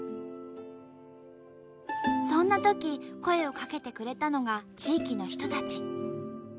そんなとき声をかけてくれたのが地域の人たち。